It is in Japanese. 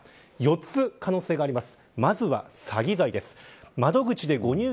４つ可能性があります。